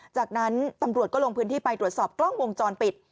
จากนั้นตำรวจก็ลงพื้นที่ไปตรวจสอบกล้องวงจรปิด